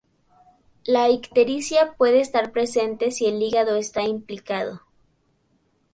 La ictericia puede estar presente si el hígado está implicado.